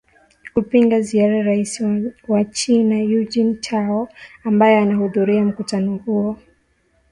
kupinga ziara rais wa china eugine tao ambaye anahudhuria mkutano huo